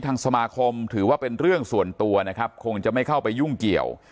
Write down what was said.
ทางสมาคมถือว่าเป็นเรื่องส่วนตัวนะครับคงจะไม่เข้าไปยุ่งเกี่ยว